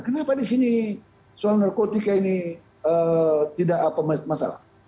kenapa di sini soal narkotika ini tidak apa masalah